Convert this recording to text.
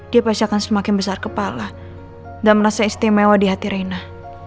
dia pasti akan semakin besar kepala dan merasa istimewa di hati reina